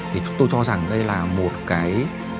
thì tôi cho rằng đây là một cái